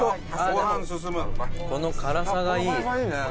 この辛さいいね。